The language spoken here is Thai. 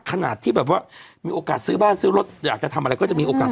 ขนาดที่แบบว่ามีโอกาสซื้อบ้านซื้อรถอยากจะทำอะไรก็จะมีโอกาส